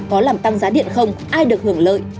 có làm tăng giá điện không ai được hưởng lợi